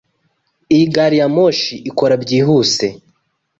Iyi gari ya moshi ikora byihuse?